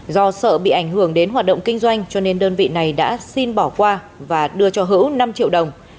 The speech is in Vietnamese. do sợ bị ảnh hưởng đến hoạt động kinh doanh cho nên đơn vị này đã xin bỏ qua và đưa cho hữu năm triệu đồng